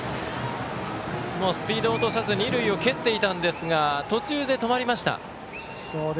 猛スピードを落とさず二塁を蹴っていたのですが途中で止まりました。